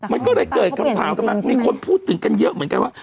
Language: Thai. มันก็เลยเกิดคำถามกันมามีคนพูดถึงกันเยอะเหมือนกันว่า